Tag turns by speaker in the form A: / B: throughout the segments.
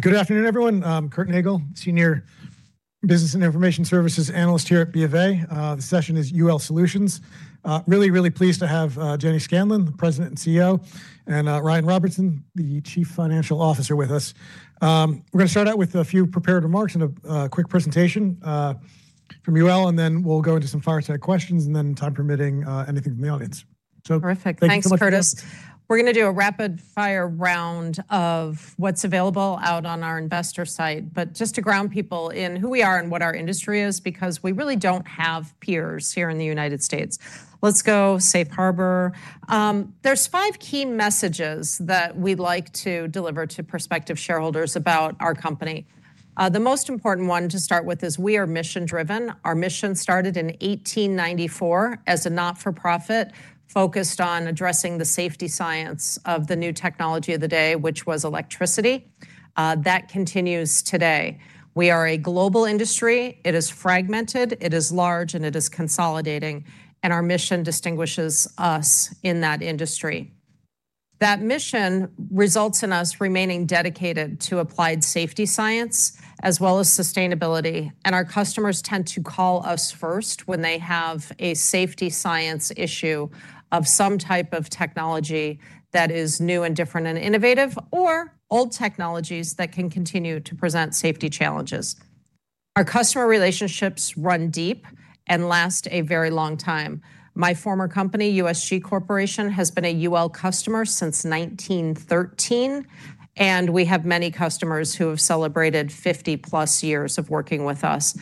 A: Good afternoon, everyone. I'm Curt Nagle, Senior Business and Information Services Analyst here at BofA. The session is UL Solutions. Really pleased to have Jennifer Scanlon, the President and CEO, and Ryan Robinson, the Chief Financial Officer, with us. We're gonna start out with a few prepared remarks and a quick presentation from UL, and then we'll go into some fireside questions, and then, time permitting, anything from the audience.
B: Terrific. Thanks, Curtis.
A: Thank you so much.
B: We're gonna do a rapid-fire round of what's available out on our investor site. Just to ground people in who we are and what our industry is, because we really don't have peers here in the United States. Let's go safe harbor. There's five key messages that we'd like to deliver to prospective shareholders about our company. The most important one to start with is we are mission-driven. Our mission started in 1894 as a not-for-profit, focused on addressing the safety science of the new technology of the day, which was electricity. That continues today. It's a global industry. It is fragmented, it is large, and it is consolidating, and our mission distinguishes us in that industry. That mission results in us remaining dedicated to applied safety science, as well as sustainability, and our customers tend to call us first when they have a safety science issue of some type of technology that is new and different and innovative, or old technologies that can continue to present safety challenges. Our customer relationships run deep and last a very long time. My former company, USG Corporation, has been a UL customer since 1913, and we have many customers who have celebrated 50-plus years of working with us.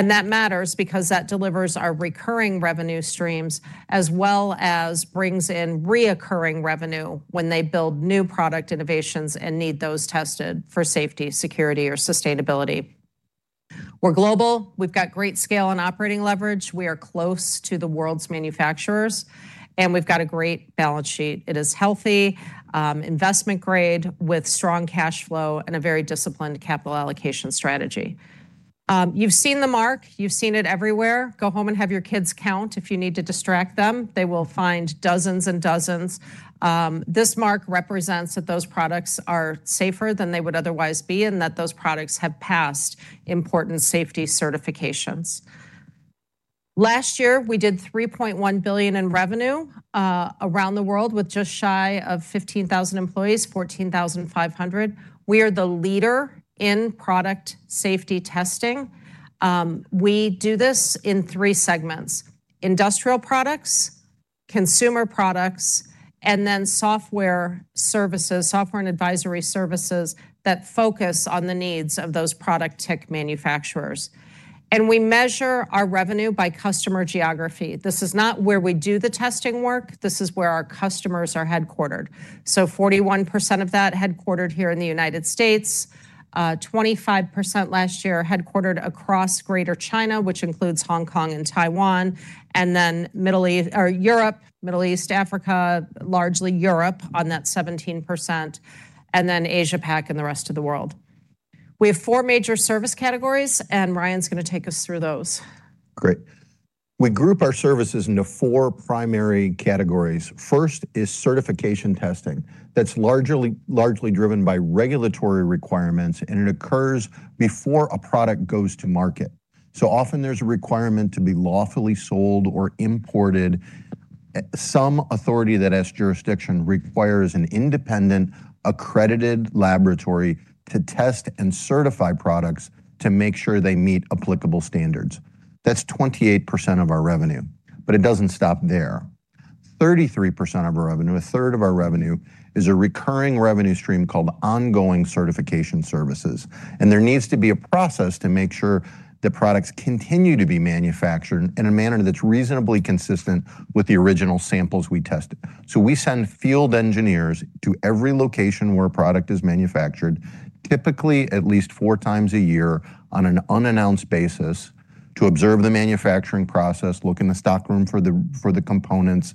B: That matters because that delivers our recurring revenue streams, as well as brings in recurring revenue when they build new product innovations and need those tested for safety, security, or sustainability. We're global. We've got great scale and operating leverage. We are close to the world's manufacturers, and we've got a great balance sheet. It is healthy, investment grade with strong cash flow and a very disciplined capital allocation strategy. You've seen the mark, you've seen it everywhere. Go home and have your kids count if you need to distract them. They will find dozens and dozens. This mark represents that those products are safer than they would otherwise be and that those products have passed important safety certifications. Last year, we did $3.1 billion in revenue around the world with just shy of 15,000 employees, 14,500. We are the leader in product safety testing. We do this in three segments, industrial products, consumer products, and then software services, software and advisory services that focus on the needs of those product tech manufacturers. We measure our revenue by customer geography. This is not where we do the testing work. This is where our customers are headquartered. 41% of that headquartered here in the United States, 25% last year headquartered across Greater China, which includes Hong Kong and Taiwan, and then Europe, Middle East, Africa, largely Europe on that 17%, and then Asia Pac and the rest of the world. We have four major service categories, and Ryan's gonna take us through those.
C: Great. We group our services into four primary categories. First is Certification Testing. That's largely driven by regulatory requirements, and it occurs before a product goes to market. Often there's a requirement to be lawfully sold or imported. Some authority that has jurisdiction requires an independent accredited laboratory to test and certify products to make sure they meet applicable standards. That's 28% of our revenue, but it doesn't stop there. 33% of our revenue, a third of our revenue, is a recurring revenue stream called Ongoing Certification Services, and there needs to be a process to make sure the products continue to be manufactured in a manner that's reasonably consistent with the original samples we tested. We send field engineers to every location where a product is manufactured, typically at least four times a year on an unannounced basis, to observe the manufacturing process, look in the stockroom for the components,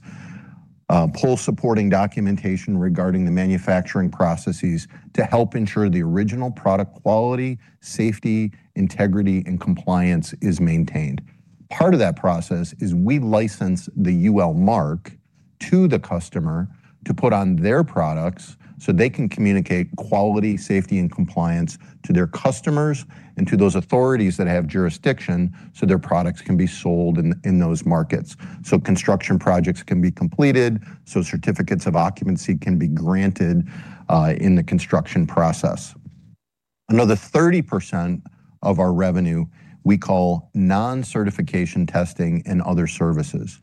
C: pull supporting documentation regarding the manufacturing processes to help ensure the original product quality, safety, integrity, and compliance is maintained. Part of that process is we license the UL Mark to the customer to put on their products so they can communicate quality, safety, and compliance to their customers and to those authorities that have jurisdiction so their products can be sold in those markets. Construction projects can be completed, so certificates of occupancy can be granted in the construction process. Another 30% of our revenue we call Non-certification Testing and other services.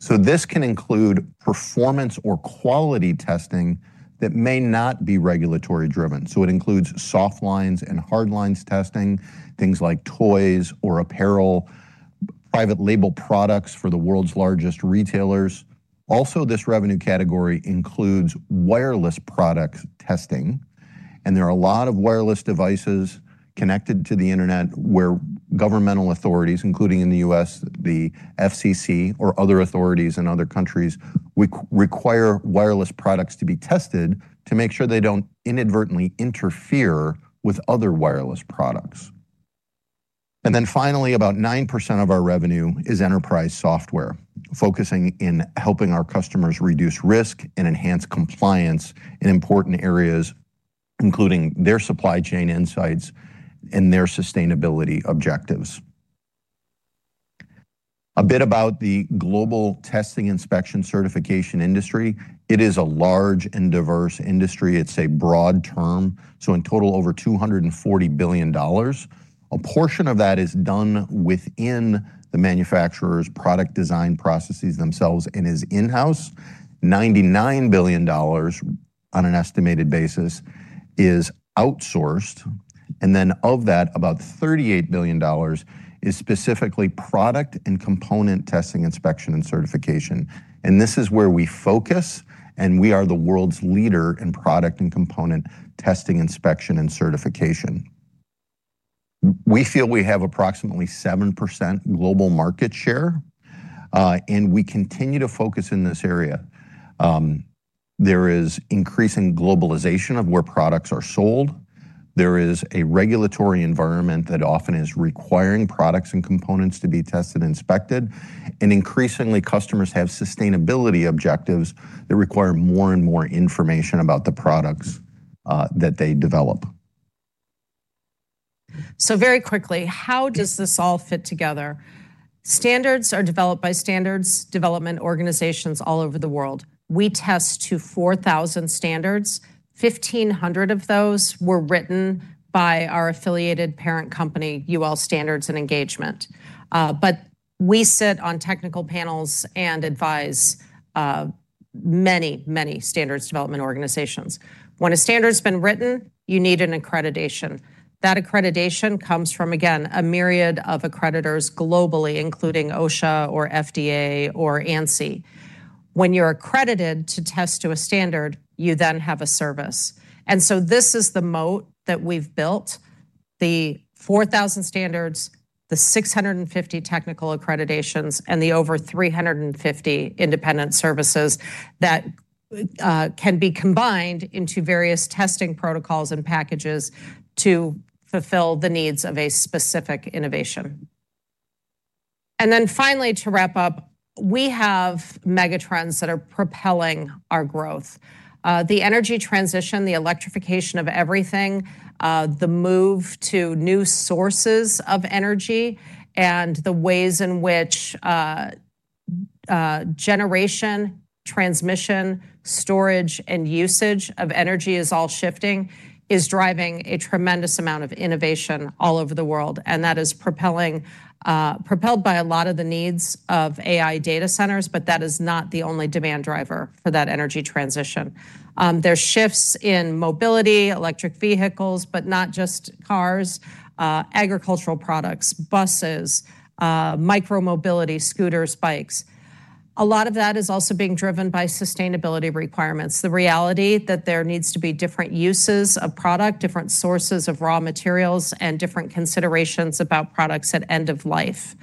C: This can include performance or quality testing that may not be regulatory-driven. It includes soft lines and hard lines testing, things like toys or apparel, private label products for the world's largest retailers. Also, this revenue category includes wireless product testing, and there are a lot of wireless devices connected to the Internet where governmental authorities, including in the U.S., the FCC or other authorities in other countries, require wireless products to be tested to make sure they don't inadvertently interfere with other wireless products. Finally, about 9% of our revenue is enterprise software, focusing on helping our customers reduce risk and enhance compliance in important areas, including their supply chain insights and their sustainability objectives. A bit about the global testing, inspection, and certification industry. It is a large and diverse industry. It's a broad term. In total, over $240 billion. A portion of that is done within the manufacturer's product design processes themselves and is in-house. $99 billion on an estimated basis is outsourced. Of that, about $38 billion is specifically product and component testing, inspection, and certification. This is where we focus, and we are the world's leader in product and component testing, inspection, and certification. We feel we have approximately 7% global market share, and we continue to focus in this area. There is increasing globalization of where products are sold. There is a regulatory environment that often is requiring products and components to be tested and inspected. Increasingly, customers have sustainability objectives that require more and more information about the products that they develop.
B: Very quickly, how does this all fit together? Standards are developed by standards development organizations all over the world. We test to 4,000 standards. 1,500 of those were written by our affiliated parent company, UL Standards & Engagement. But we sit on technical panels and advise, many, many standards development organizations. When a standard's been written, you need an accreditation. That accreditation comes from, again, a myriad of accreditors globally, including OSHA or FDA or ANSI. When you're accredited to test to a standard, you then have a service. This is the moat that we've built, the 4,000 standards, the 650 technical accreditations, and the over 350 independent services that can be combined into various testing protocols and packages to fulfill the needs of a specific innovation. Then finally, to wrap up, we have megatrends that are propelling our growth. The energy transition, the electrification of everything, the move to new sources of energy, and the ways in which generation, transmission, storage, and usage of energy is all shifting is driving a tremendous amount of innovation all over the world. That is propelled by a lot of the needs of AI data centers, but that is not the only demand driver for that energy transition. There's shifts in mobility, electric vehicles, but not just cars, agricultural products, buses, micro-mobility, scooters, bikes. A lot of that is also being driven by sustainability requirements. The reality that there needs to be different uses of product, different sources of raw materials, and different considerations about products at end of life.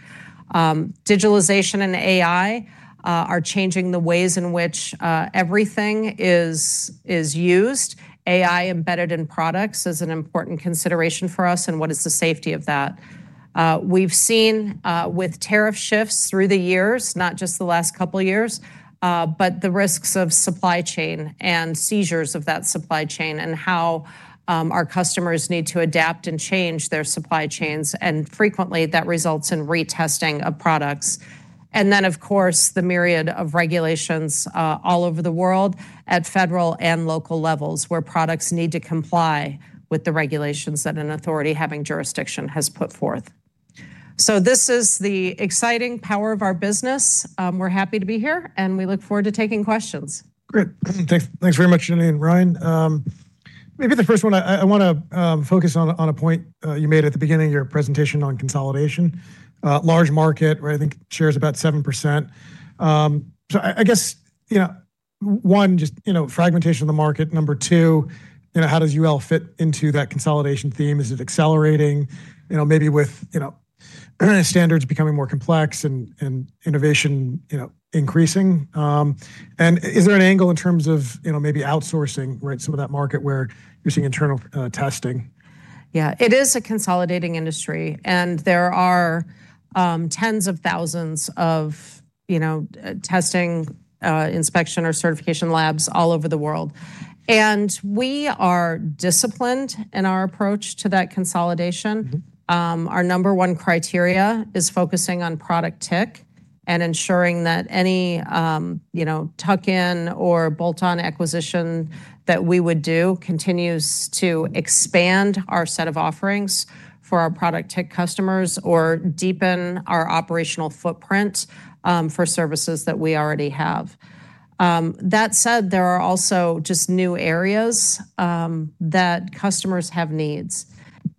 B: Digitalization and AI are changing the ways in which everything is used. AI embedded in products is an important consideration for us and what is the safety of that. We've seen with tariff shifts through the years, not just the last couple of years, but the risks of supply chain and seizures of that supply chain and how our customers need to adapt and change their supply chains. Frequently, that results in retesting of products. Of course, the myriad of regulations all over the world at federal and local levels, where products need to comply with the regulations that an authority having jurisdiction has put forth. This is the exciting power of our business. We're happy to be here, and we look forward to taking questions.
A: Great. Thanks very much, Jenny and Ryan. Maybe the first one I wanna focus on a point you made at the beginning of your presentation on consolidation? Large market, where I think share is about 7%. So I guess, you know, one, just, you know, fragmentation of the market? Number two, you know, how does UL fit into that consolidation theme? Is it accelerating, you know, maybe with, you know, standards becoming more complex and innovation, you know, increasing? And is there an angle in terms of, you know, maybe outsourcing, right, some of that market where you're seeing internal testing?
B: Yeah. It is a consolidating industry, and there are tens of thousands of, you know, testing, inspection or certification labs all over the world. We are disciplined in our approach to that consolidation.
A: Mm-hmm.
B: Our number one criteria is focusing on product tech and ensuring that any, you know, tuck-in or bolt-on acquisition that we would do continues to expand our set of offerings for our product tech customers or deepen our operational footprint, for services that we already have. That said, there are also just new areas that customers have needs.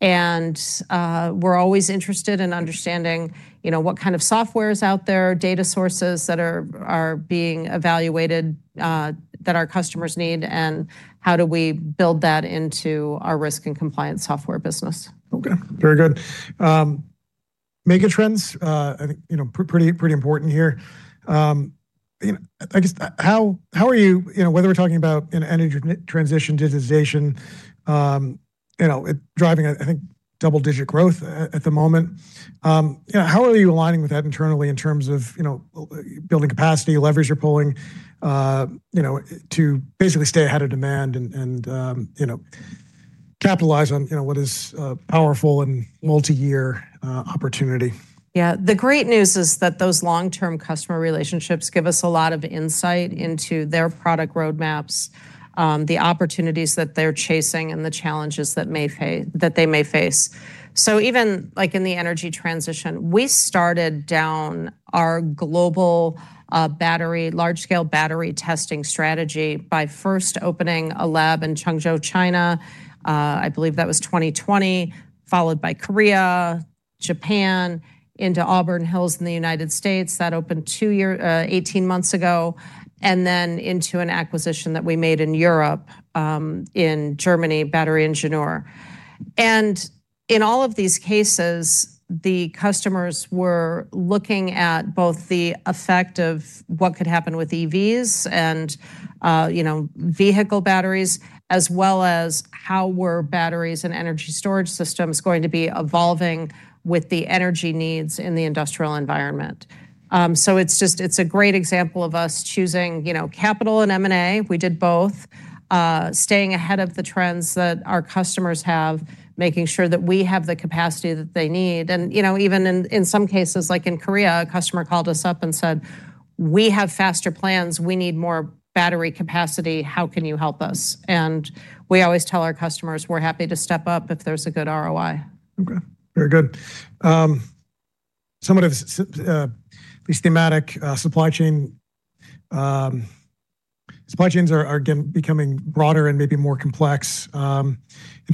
B: We're always interested in understanding, you know, what kind of software is out there, data sources that are being evaluated, that our customers need, and how do we build that into our risk and compliance software business.
A: Okay. Very good. Megatrends, I think, you know, pretty important here. You know, I guess how are you know, whether we're talking about an energy transition, digitization, you know, driving, I think, double-digit growth at the moment? How are you aligning with that internally in terms of, you know, building capacity, leverage you're pulling, you know, to basically stay ahead of demand and, you know, capitalize on, you know, what is a powerful and multi-year opportunity?
B: Yeah. The great news is that those long-term customer relationships give us a lot of insight into their product roadmaps, the opportunities that they're chasing and the challenges that they may face. Even, like, in the energy transition, we started down our global battery, large-scale battery testing strategy by first opening a lab in Hangzhou, China. I believe that was 2020, followed by Korea, Japan, into Auburn Hills in the United States. That opened two years, 18 months ago, and then into an acquisition that we made in Europe, in Germany, BatterieIngenieure. In all of these cases, the customers were looking at both the effect of what could happen with EVs and, you know, vehicle batteries, as well as how were batteries and energy storage systems going to be evolving with the energy needs in the industrial environment. So it's just a great example of us choosing, you know, capital and M&A, we did both, staying ahead of the trends that our customers have, making sure that we have the capacity that they need. You know, even in some cases, like in Korea, a customer called us up and said, "We have faster plans. We need more battery capacity. How can you help us?" We always tell our customers, we're happy to step up if there's a good ROI.
A: Okay. Very good. Somewhat systematic supply chains are becoming broader and maybe more complex. In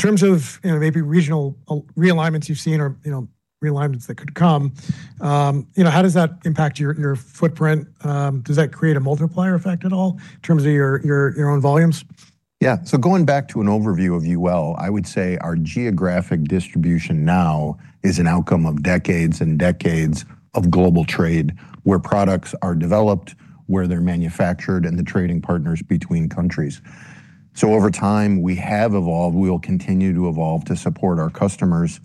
A: terms of, you know, maybe regional realignments you've seen or, you know, realignments that could come, you know, how does that impact your footprint? Does that create a multiplier effect at all in terms of your own volumes?
C: Yeah. Going back to an overview of UL, I would say our geographic distribution now is an outcome of decades and decades of global trade, where products are developed, where they're manufactured, and the trading partners between countries. Over time, we have evolved. We will continue to evolve to support our customers.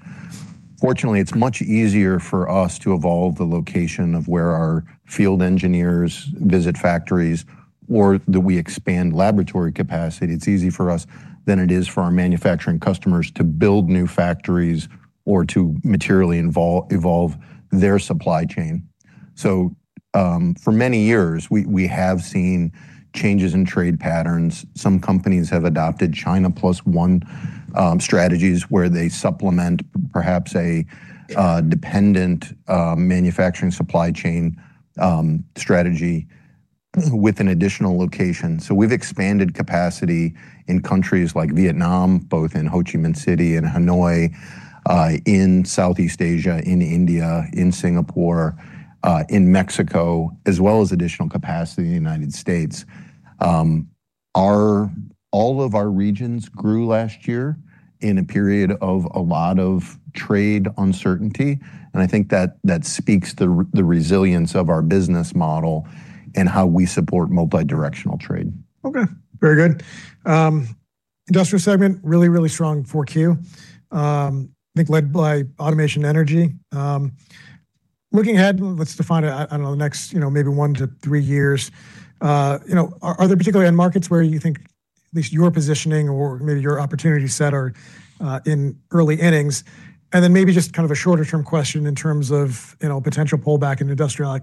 C: Fortunately, it's much easier for us to evolve the location of where our field engineers visit factories, or do we expand laboratory capacity. It's easy for us than it is for our manufacturing customers to build new factories or to evolve their supply chain. For many years, we have seen changes in trade patterns. Some companies have adopted China Plus One strategies where they supplement perhaps a dependent manufacturing supply chain strategy with an additional location. We've expanded capacity in countries like Vietnam, both in Ho Chi Minh City and Hanoi, in Southeast Asia, in India, in Singapore, in Mexico, as well as additional capacity in the United States. All of our regions grew last year in a period of a lot of trade uncertainty, and I think that speaks to the resilience of our business model and how we support multi-directional trade.
A: Okay. Very good. Industrial segment, really, really strong Q4, I think led by automation energy. Looking ahead, let's define it, I don't know, the next, you know, maybe one to three years. You know, are there particularly any markets where you think at least you're positioning or maybe your opportunity set are in early innings? Then maybe just kind of a shorter term question in terms of, you know, potential pullback in industrial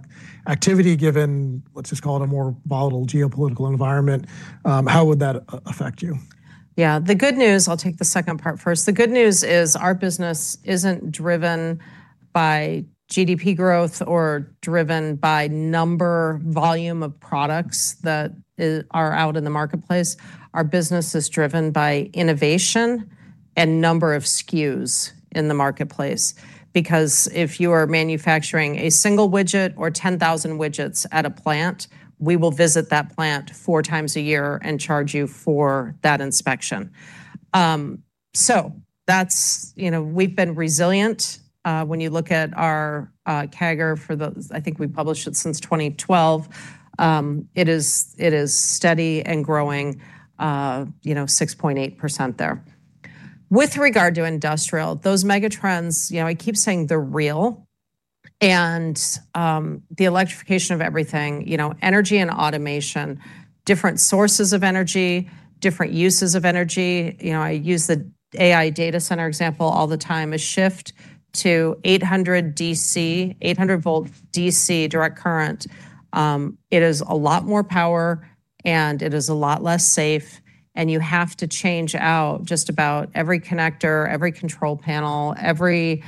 A: activity given, let's just call it a more volatile geopolitical environment, how would that affect you?
B: Yeah. The good news, I'll take the second part first. The good news is our business isn't driven by GDP growth or driven by number volume of products that are out in the marketplace. Our business is driven by innovation and number of SKUs in the marketplace. Because if you are manufacturing a single widget or 10,000 widgets at a plant, we will visit that plant four times a year and charge you for that inspection. That's, you know, we've been resilient. When you look at our CAGR for those, I think we published it since 2012, it is steady and growing, you know, 6.8% there. With regard to industrial, those megatrends, you know, I keep saying they're real. The electrification of everything, you know, energy and automation, different sources of energy, different uses of energy. You know, I use the AI data center example all the time, a shift to 800-volt DC, direct current. It is a lot more power and it is a lot less safe, and you have to change out just about every connector, every control panel, every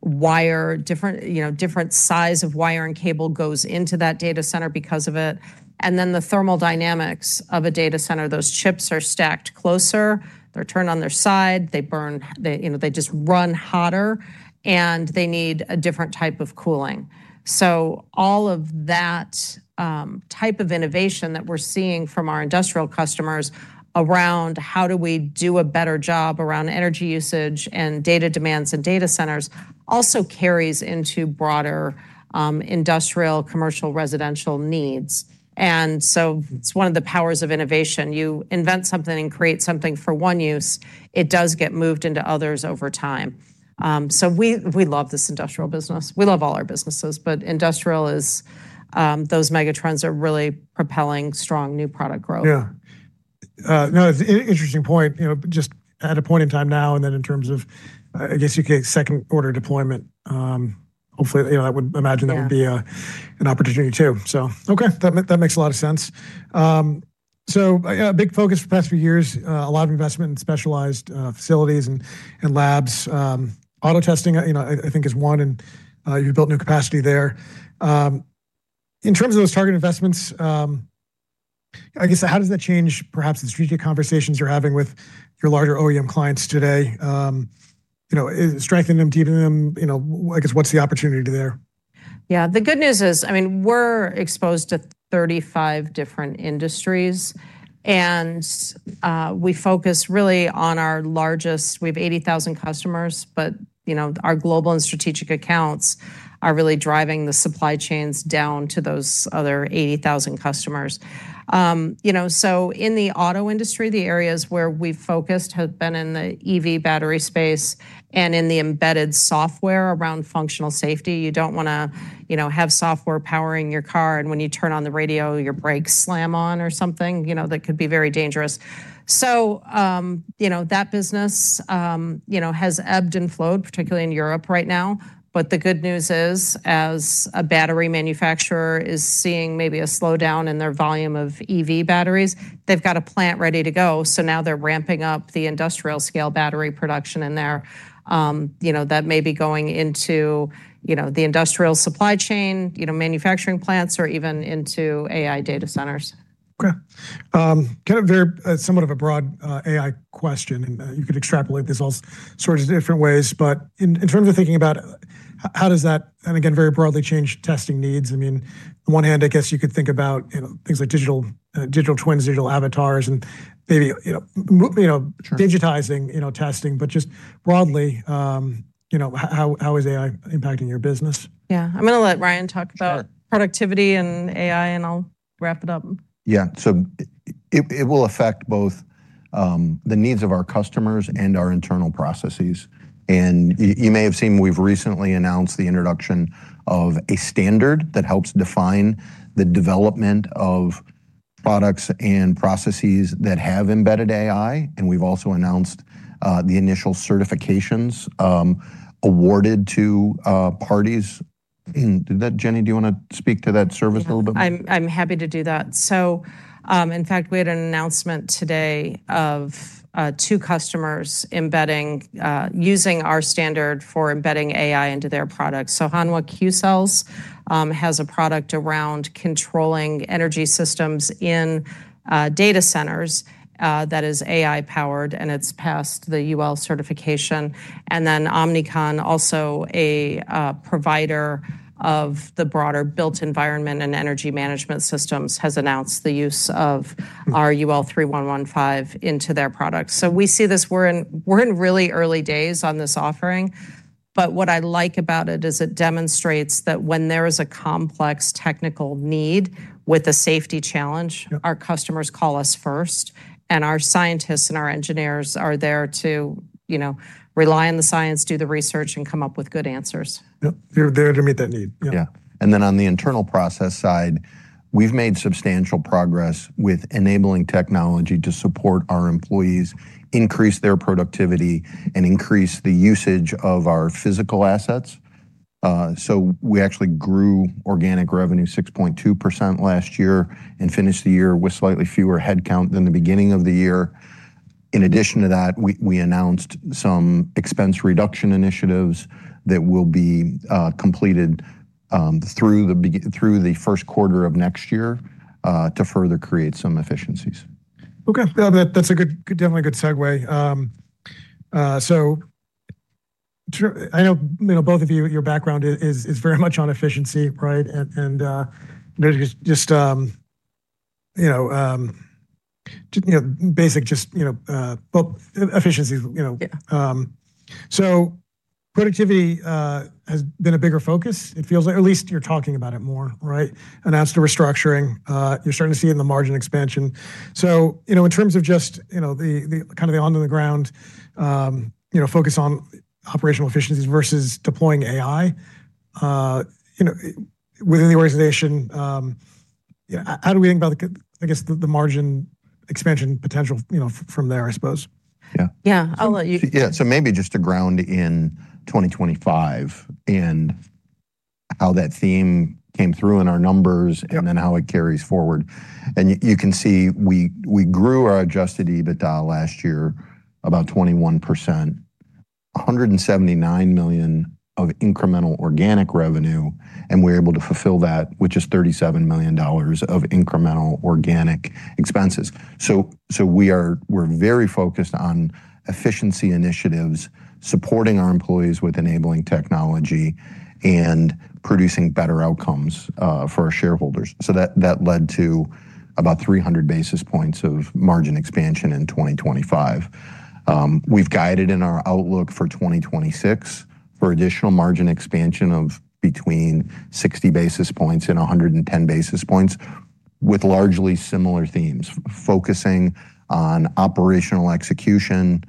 B: wire, different, you know, different size of wire and cable goes into that data center because of it. Then the thermodynamics of a data center, those chips are stacked closer, they're turned on their side, they burn, you know, they just run hotter, and they need a different type of cooling. All of that type of innovation that we're seeing from our industrial customers around how do we do a better job around energy usage and data demands in data centers also carries into broader industrial, commercial, residential needs. It's one of the powers of innovation. You invent something and create something for one use, it does get moved into others over time. We love this industrial business. We love all our businesses, but industrial is those megatrends are really propelling strong new product growth.
A: Yeah. No, interesting point, you know, just at a point in time now and then in terms of, I guess you could say second quarter deployment, hopefully, you know, I would imagine.
B: Yeah.
A: That would be an opportunity too. Okay. That makes a lot of sense. Yeah, big focus for the past few years, a lot of investment in specialized facilities and labs, auto testing, you know, I think is one, and you built new capacity there. In terms of those target investments, I guess, how does that change perhaps the strategic conversations you're having with your larger OEM clients today, you know, strengthen them, deepen them, you know, I guess, what's the opportunity there?
B: Yeah. The good news is, I mean, we're exposed to 35 different industries, and we focus really on our largest. We have 80,000 customers, but, you know, our global and strategic accounts are really driving the supply chains down to those other 80,000 customers. You know, in the auto industry, the areas where we've focused have been in the EV battery space and in the embedded software around functional safety. You don't wanna, you know, have software powering your car, and when you turn on the radio, your brakes slam on or something. You know, that could be very dangerous. That business has ebbed and flowed, particularly in Europe right now. The good news is, as a battery manufacturer is seeing maybe a slowdown in their volume of EV batteries, they've got a plant ready to go, so now they're ramping up the industrial scale battery production, and they're, you know, that may be going into, you know, the industrial supply chain, you know, manufacturing plants, or even into AI data centers.
A: Okay. Kind of very somewhat of a broad AI question, and you could extrapolate this all sorts of different ways. In terms of thinking about how does that, and again, very broadly, change testing needs, I mean, on one hand, I guess you could think about, you know, things like digital twins, digital avatars, and maybe, you know?
C: Sure.
A: Digitizing, you know, testing. Just broadly, you know, how is AI impacting your business?
B: Yeah. I'm gonna let Ryan talk about.
C: Sure.
B: Productivity and AI, and I'll wrap it up.
C: Yeah. It will affect both the needs of our customers and our internal processes. You may have seen we've recently announced the introduction of a standard that helps define the development of products and processes that have embedded AI, and we've also announced the initial certifications awarded to parties. Jennifer, do you wanna speak to that service a little bit?
B: Yeah. I'm happy to do that. In fact, we had an announcement today of two customers embedding using our standard for embedding AI into their products. Hanwha Qcells has a product around controlling energy systems in data centers that is AI powered, and it's passed the UL certification. Then ONICON, also a provider of the broader built environment and energy management systems, has announced the use of our UL 3115 into their products. We see this. We're in really early days on this offering, but what I like about it is it demonstrates that when there is a complex technical need with a safety challenge.
A: Yep.
B: Our customers call us first, and our scientists and our engineers are there to, you know, rely on the science, do the research, and come up with good answers.
A: Yep. They're there to meet that need. Yeah.
C: On the internal process side, we've made substantial progress with enabling technology to support our employees, increase their productivity, and increase the usage of our physical assets. We actually grew organic revenue 6.2% last year and finished the year with slightly fewer headcount than the beginning of the year. In addition to that, we announced some expense reduction initiatives that will be completed through the first quarter of next year to further create some efficiencies.
A: Okay. No, that's a good, definitely a good segue. I know, you know, both of you, your background is very much on efficiency, right? You know, basic just, you know, well, efficiency, you know.
B: Yeah.
A: Productivity has been a bigger focus. It feels like at least you're talking about it more, right? Announced a restructuring, you're starting to see it in the margin expansion. You know, in terms of just, you know, the kind of on the ground focus on operational efficiencies versus deploying AI, you know, within the organization, yeah, how do we think about the margin expansion potential, you know, from there, I suppose?
C: Yeah.
B: Yeah. I'll let you.
C: Maybe just to ground in 2025 and how that theme came through in our numbers.
A: Yep.
C: How it carries forward? You can see we grew our Adjusted EBITDA last year about 21%, $179 million of incremental organic revenue, and we're able to fulfill that, which is $37 million of incremental organic expenses. We're very focused on efficiency initiatives, supporting our employees with enabling technology, and producing better outcomes for our shareholders. That led to about 300 basis points of margin expansion in 2025. We've guided in our outlook for 2026 for additional margin expansion of between 60 basis points and 110 basis points, with largely similar themes, focusing on operational execution,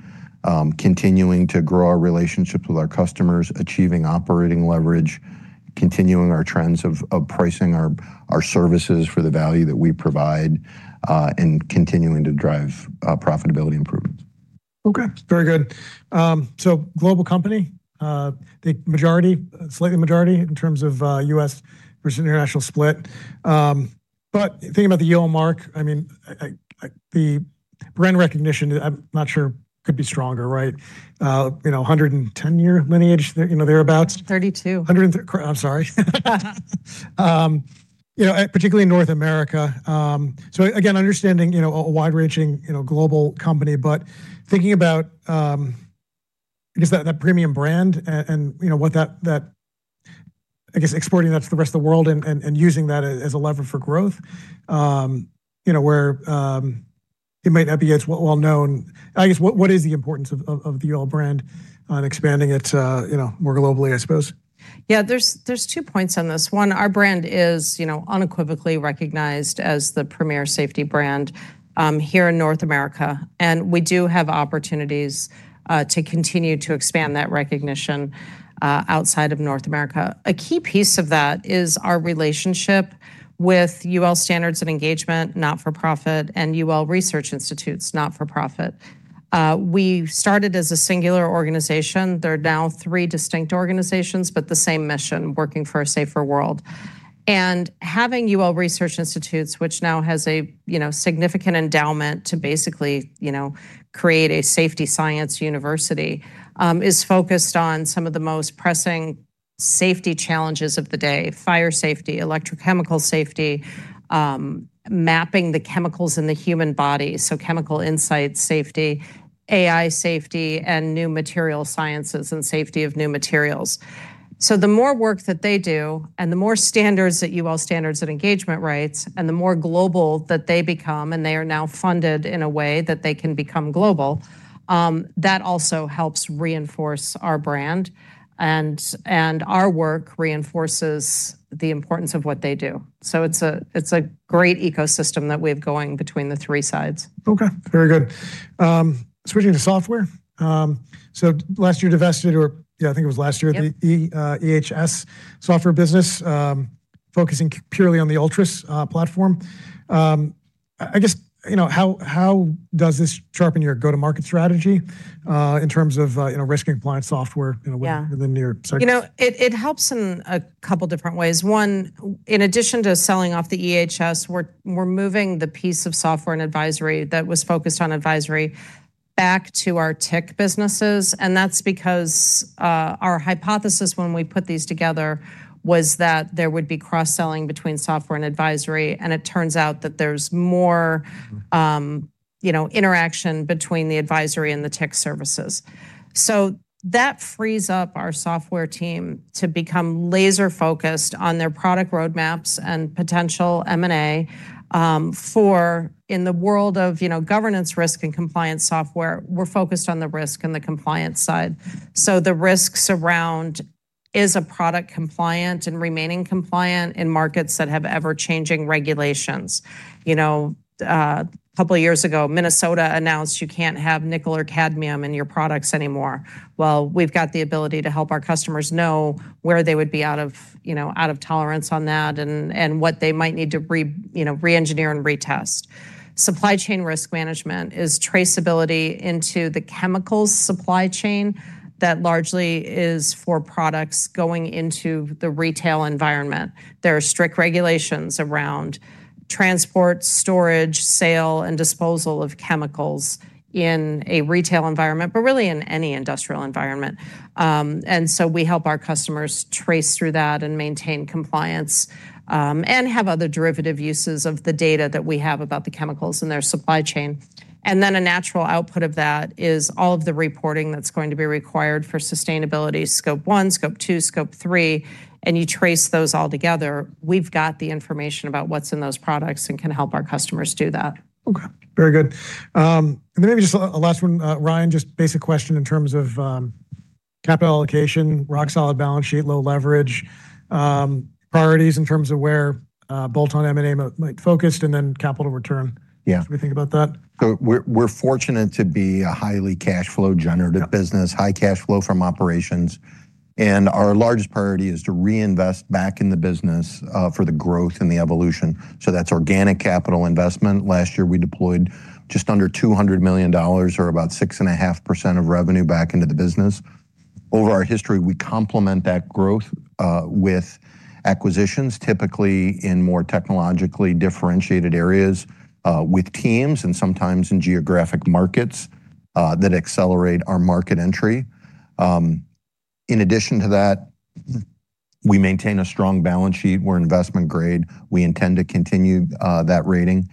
C: continuing to grow our relationships with our customers, achieving operating leverage, continuing our trends of pricing our services for the value that we provide, and continuing to drive profitability improvements.
A: Okay. Very good. Global company, the majority, slightly majority in terms of, U.S. versus international split. But thinking about the UL Mark, I mean, the brand recognition, I'm not sure could be stronger, right? You know, 110-year lineage, you know, thereabouts.
B: 32.
A: You know, particularly in North America. Again, understanding, you know, a wide-ranging, you know, global company, but thinking about, I guess, that premium brand and, you know, what that. I guess exporting that to the rest of the world and using that as a lever for growth, you know, where it might not be as well-known. I guess, what is the importance of the UL brand on expanding its, you know, more globally, I suppose?
B: Yeah, there's two points on this. One, our brand is, you know, unequivocally recognized as the premier safety brand here in North America. We do have opportunities to continue to expand that recognition outside of North America. A key piece of that is our relationship with UL Standards & Engagement, not-for-profit, and UL Research Institutes, not-for-profit. We started as a singular organization. They're now three distinct organizations, but the same mission, working for a safer world. Having UL Research Institutes, which now has a you know significant endowment to basically you know create a safety science university, is focused on some of the most pressing safety challenges of the day, fire safety, electrochemical safety, mapping the chemicals in the human body, so chemical insight safety, AI safety, and new material sciences and safety of new materials. The more work that they do and the more standards that UL Standards & Engagement writes and the more global that they become, and they are now funded in a way that they can become global, that also helps reinforce our brand and our work reinforces the importance of what they do. It's a, it's a great ecosystem that we have going between the three sides.
A: Okay. Very good. Switching to software. Last year, yeah, I think it was last year.
B: Yep....
A: The EHS software business, focusing purely on the ULTRUS platform. I guess, you know, how does this sharpen your go-to-market strategy in terms of, you know, risk and compliance software, you know?
B: Yeah.
A: Within the near cycle?
B: You know, it helps in a couple different ways. One, in addition to selling off the EHS, we're moving the piece of software and advisory that was focused on advisory back to our tech businesses, and that's because our hypothesis when we put these together was that there would be cross-selling between software and advisory, and it turns out that there's more.
A: Mm-hmm.
B: You know, interaction between the advisory and the tech services. That frees up our software team to become laser focused on their product roadmaps and potential M&A for in the world of, you know, governance, risk, and compliance software. We're focused on the risk and the compliance side. The risks around is a product compliant and remaining compliant in markets that have ever-changing regulations. You know, a couple of years ago, Minnesota announced you can't have nickel or cadmium in your products anymore. Well, we've got the ability to help our customers know where they would be out of tolerance on that and what they might need to re-engineer and retest. Supply chain risk management is traceability into the chemicals supply chain that largely is for products going into the retail environment. There are strict regulations around transport, storage, sale, and disposal of chemicals in a retail environment, but really in any industrial environment. We help our customers trace through that and maintain compliance, and have other derivative uses of the data that we have about the chemicals in their supply chain. A natural output of that is all of the reporting that's going to be required for sustainability Scope 1, Scope 2, Scope 3, and you trace those all together. We've got the information about what's in those products and can help our customers do that.
A: Okay. Very good. Maybe just a last one, Ryan, just basic question in terms of capital allocation, rock-solid balance sheet, low leverage, priorities in terms of where bolt-on M&A might focus and then capital return?
C: Yeah.
A: As we think about that.
C: We're fortunate to be a highly cash flow generative business.
A: Yeah.
C: High cash flow from operations, and our largest priority is to reinvest back in the business for the growth and the evolution. That's organic capital investment. Last year, we deployed just under $200 million or about 6.5% of revenue back into the business. Over our history, we complement that growth with acquisitions, typically in more technologically differentiated areas with teams and sometimes in geographic markets that accelerate our market entry. In addition to that, we maintain a strong balance sheet. We're investment grade. We intend to continue that rating.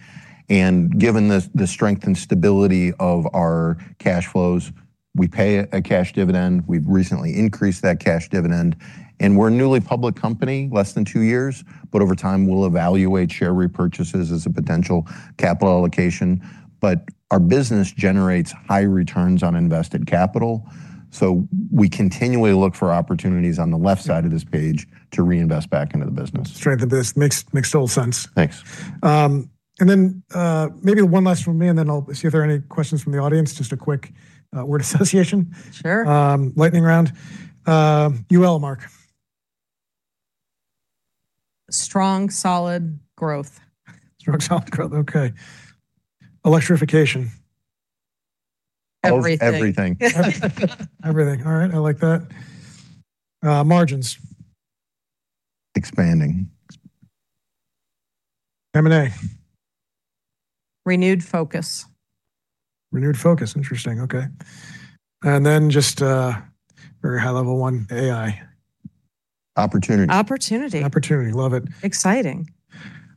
C: Given the strength and stability of our cash flows. We pay a cash dividend. We've recently increased that cash dividend, and we're a newly public company, less than two years, but over time, we'll evaluate share repurchases as a potential capital allocation. Our business generates high returns on invested capital, so we continually look for opportunities on the left side of this page to reinvest back into the business.
A: Strength of the business. Makes total sense.
C: Thanks.
A: Maybe one last from me, and then I'll see if there are any questions from the audience. Just a quick word association.
B: Sure.
A: Lightning Round. UL Mark.
B: Strong, solid growth.
A: Strong, solid growth. Okay. Electrification.
B: Everything.
C: Oh, everything.
A: Everything. All right, I like that. Margins.
C: Expanding.
A: M&A.
B: Renewed focus.
A: Renewed focus. Interesting. Okay. Just a very high level one, AI.
C: Opportunity.
B: Opportunity.
A: Opportunity. Love it.
B: Exciting.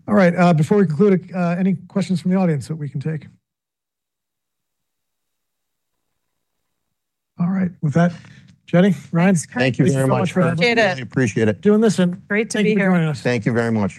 A: All right, before we conclude, any questions from the audience that we can take? All right. With that, Jenny, Ryan.
C: Thank you very much.
B: Thanks, Curtis. Appreciate it.
C: Really appreciate it.
A: For doing this and-
B: Great to be here.
A: Thank you for joining us.
C: Thank you very much.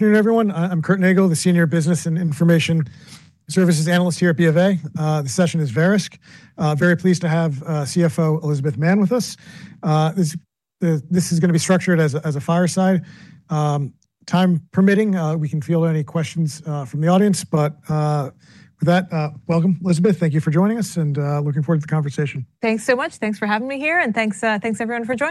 C: Yeah.
A: Good afternoon, everyone. I'm Curt Nagle, the senior business and information services analyst here at BofA. This session is Verisk. Very pleased to have CFO Elizabeth Mann with us. This is gonna be structured as a fireside. Time permitting, we can field any questions from the audience. With that, welcome, Elizabeth. Thank you for joining us and looking forward to the conversation.
D: Thanks so much. Thanks for having me here and thanks everyone for joining.